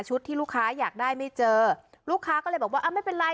ที่ลูกค้าอยากได้ไม่เจอลูกค้าก็เลยบอกว่าไม่เป็นไร